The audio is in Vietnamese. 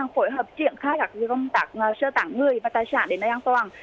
phối hợp triển khai các công tác sơ tản người và tài sản đến nơi an toàn